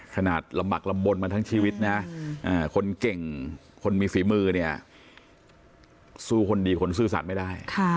ลำหมักลำบลมาทั้งชีวิตนะคนเก่งคนมีฝีมือเนี่ยสู้คนดีคนซื่อสัตว์ไม่ได้